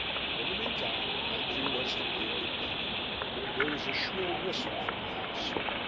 In the meantime, my cue was to be a good dog. There was a shrill whistle from the house.